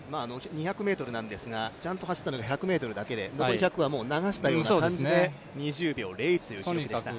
２００ｍなんですが、ちゃんと走ったのは１００ｍだけで残り１００は流したような感じで２０秒０１でした。